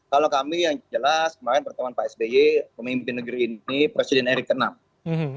kalau kami yang jelas kemarin pertemuan pak sby pemimpin negeri ini presiden erick ke enam